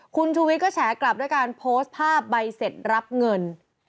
คุณชูวิทย์ก็แฉกลับด้วยการโพสต์ภาพใบเสร็จรับเงิน